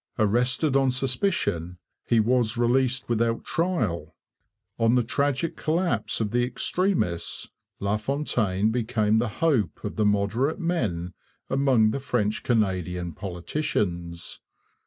Arrested on suspicion, he was released without trial. On the tragic collapse of the extremists LaFontaine became the hope of the moderate men among the French Canadian politicians.